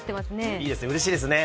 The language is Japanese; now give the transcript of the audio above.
いいですね、うれしいですね